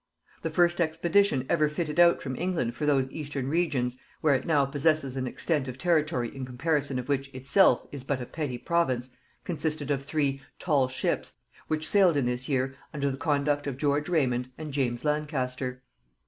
The first expedition ever fitted out from England for those eastern regions, where it now possesses an extent of territory in comparison of which itself is but a petty province, consisted of three "tall ships," which sailed in this year under the conduct of George Raymond and James Lancaster.